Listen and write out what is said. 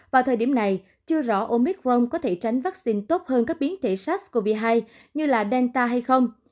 vào thời điểm này chưa rõ omicron có thể tránh vaccine tốt hơn các biến thể sars cov hai như là delta hay không